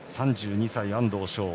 ３２歳の安藤翔